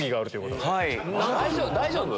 大丈夫？